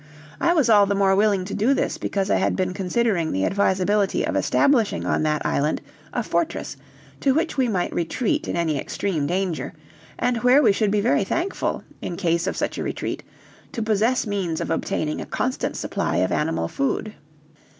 I was all the more willing to do this because I had been considering the advisability of establishing on that island a fortress to which we might retreat in any extreme danger, and where we should be very thankful, in case of such a retreat, to possess means of obtaining a constant supply of animal food.